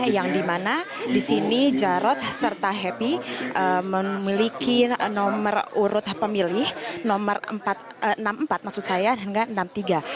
yang dimana di sini jarod serta happy memiliki nomor urut pemilih nomor enam puluh empat maksud saya dengan enam puluh tiga